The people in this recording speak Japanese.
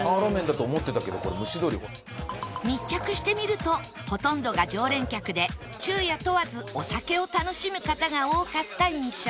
密着してみるとほとんどが常連客で昼夜問わずお酒を楽しむ方が多かった印象